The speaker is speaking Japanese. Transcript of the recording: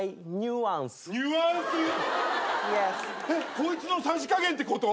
こいつのさじ加減ってこと？